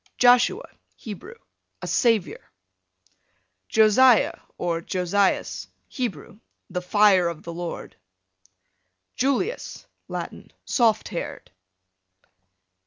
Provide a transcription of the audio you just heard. Joshua, Hebrew, a savior. Josiah, or Josias, Hebrew, the fire of the Lord. Julius, Latin, soft haired.